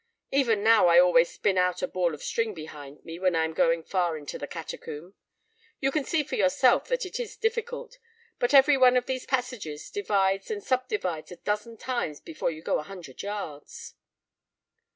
Even now I always spin out a ball of string behind me when I am going far into the catacomb. You can see for yourself that it is difficult, but every one of these passages divides and subdivides a dozen times before you go a hundred yards."